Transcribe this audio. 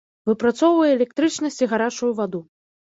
Выпрацоўвае электрычнасць і гарачую ваду.